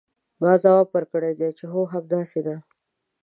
ما ځواب ورکړ چې هو همداسې ده.